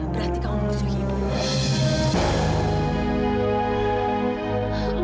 berarti kamu musuh ibu